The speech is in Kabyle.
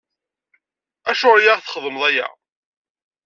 Acuɣer i la aɣ-txeddmeḍ aya?